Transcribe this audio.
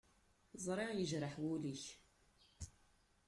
Ẓriɣ yejreḥ wul-ik.